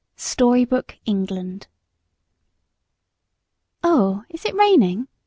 STORYBOOK ENGLAND. "Oh, is it raining?"